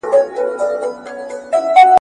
اوبه په کمزورې ورخ ماتېږي.